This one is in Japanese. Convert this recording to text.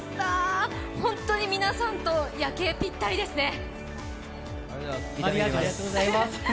本当に皆さんと夜景、ぴったりですね。